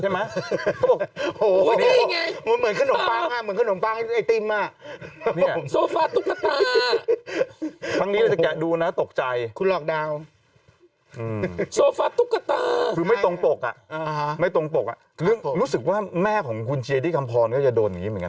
ไม่ตรงปกรู้สึกว่าแม่ของคุณเชียดิกัมภรก็จะโดนอย่างนี้เหมือนกัน